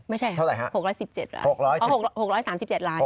ไม่ใช่ฮะ๖๓๗ราย